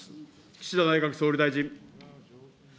岸田内閣総理大臣。